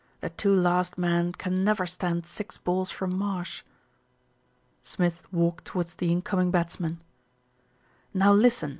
"The two last men can never stand six balls from Marsh." Smith walked towards the incoming batsman. "Now listen!"